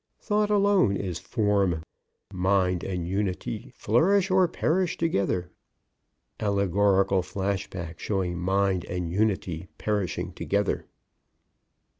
THOUGHT ALONE IS FORM. MIND AND UNITY FLOURISH OR PERISH TOGETHER." (_Allegorical flash back showing Mind and Unity perishing together.